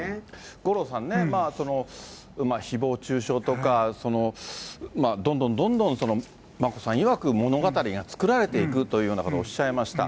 五郎さんね、ひぼう中傷とか、どんどんどんどん眞子さんいわく、物語が作られていくというようなことをおっしゃいました。